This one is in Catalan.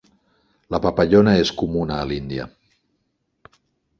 La papallona és comuna a l'Índia.